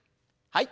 はい。